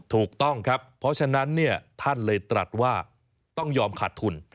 ถูกต้องครับเพราะฉะนั้นท่านเลยตรัสว่าต้องยอมขาดทุน